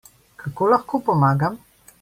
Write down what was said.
Kako lahko pomagam?